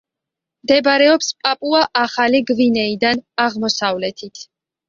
მდებარეობს პაპუა-ახალი გვინეიდან აღმოსავლეთით.